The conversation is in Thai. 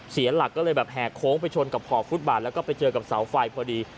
เสียหลักก็เลยแบบแห่โค้งไปชนกับขอบฟุตบาทแล้วก็ไปเจอกับเสาไฟพอดี